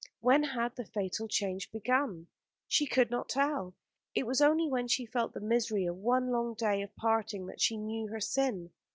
When had the fatal change begun? She could not tell. It was only when she felt the misery of one long day of parting that she knew her sin.